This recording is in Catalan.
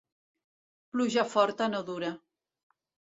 Pluja forta no dura.